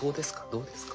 どうですか？